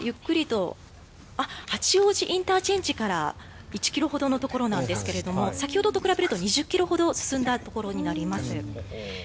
八王子ＩＣから１ｋｍほどのところですが先ほどと比べると２０ｋｍほど進んだところになります。